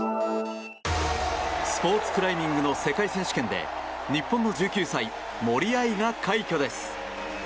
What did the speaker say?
スポーツクライミングの世界選手権で日本の１９歳森秋彩が快挙です。